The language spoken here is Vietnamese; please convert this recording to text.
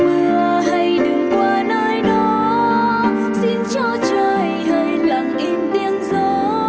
xin cho mưa hãy đừng qua nơi đó xin cho trời hãy lặng im tiếng gió